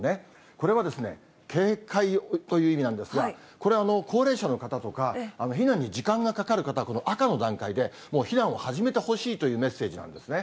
これは警戒という意味なんですが、これ、高齢者の方とか避難に時間がかかる方は、この赤の段階でもう避難を始めてほしいというメッセージなんですね。